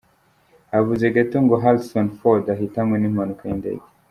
Habuze gato ngo Harrison Ford ahitanwe n'impanuka y'indege.